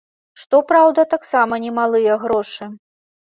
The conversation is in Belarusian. Што, праўда, таксама не малыя грошы.